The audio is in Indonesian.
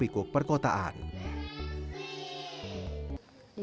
di kota kota di jawa tenggara